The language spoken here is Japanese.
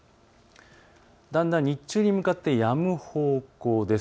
だんだん日中に向かってやむ方向です。